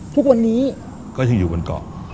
ทุกวันนี้ก็ยังอยู่บนเกาะ